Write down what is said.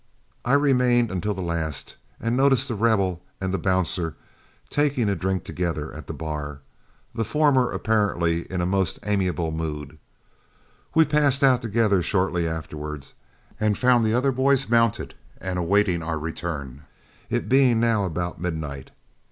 I remained until the last, and noticed The Rebel and the bouncer taking a drink together at the bar, the former apparently in a most amiable mood. We passed out together shortly afterward, and found the other boys mounted and awaiting our return, it being now about midnight.